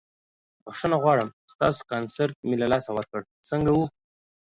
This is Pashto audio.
بخښنه غواړم ستاسو کنسرت مې له لاسه ورکړ، څنګه وه؟